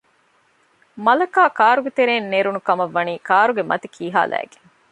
މަލަކާ ކާރުގެތެރެއިން ނެރުނު ކަމަށްވަނީ ކާރުގެ މަތި ކީހާލައިގެން